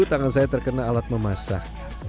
tangan saya terkena alat memasak